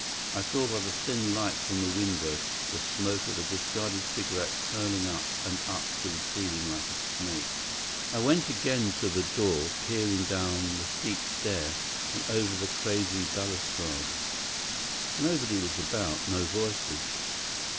I saw, by the thin light from the window, the smoke of a discarded cigarette curling up and up to the ceiling like a snake. I went again to the door, peered down the steep stair and over the crazy balustrade. Nobody was about; no voices.